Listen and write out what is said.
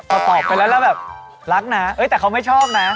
พอตอบไปแล้วเราแบบรักนะแต่เขาไม่ชอบนะ